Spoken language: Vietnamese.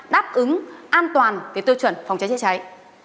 đáp ứng an toàn với tiêu chuẩn phòng cháy chất cháy